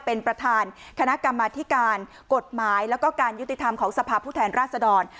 เป็นประธานคณะกรรมธิการกฎหมายแล้วก็การยุติธรรมของสภาพผู้แทนราชดร